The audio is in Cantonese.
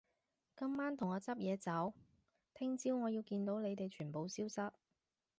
今晚同我執嘢走，聽朝我要見到你哋全部消失